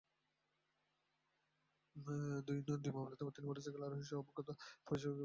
দুটি মামলাতেই তিন মোটরসাইকেল আরোহীসহ অজ্ঞাত পরিচয় কয়েক ব্যক্তিকে আসামি করা হয়েছে।